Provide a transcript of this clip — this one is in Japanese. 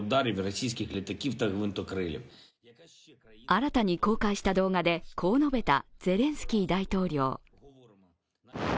新たに公開した動画でこう述べたゼレンスキー大統領。